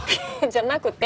じゃなくて。